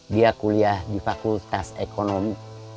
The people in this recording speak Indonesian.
dia kuliah di fakultas ekonomi